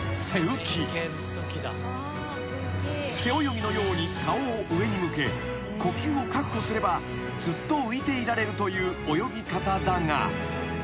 ［背泳ぎのように顔を上に向け呼吸を確保すればずっと浮いていられるという泳ぎ方だが］